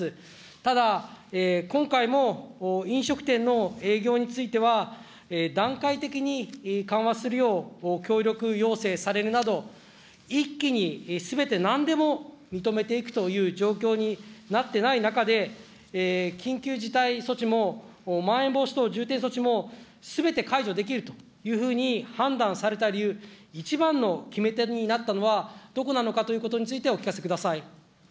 ただ、今回も飲食店の営業については、段階的に緩和するよう協力要請されるなど、一気にすべてなんでも認めていくという状況になってない中で、緊急事態措置も、まん延防止等重点措置もすべて解除できるというふうに判断された理由、一番の決め手になったのはどこなのかということについてお聞かせください。